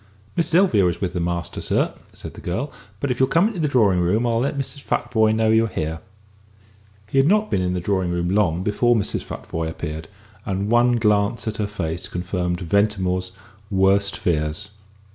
"Miss Sylvia is with the master, sir," said the girl; "but if you'll come into the drawing room I'll let Mrs. Futvoye know you are here." He had not been in the drawing room long before Mrs. Futvoye appeared, and one glance at her face confirmed Ventimore's worst fears.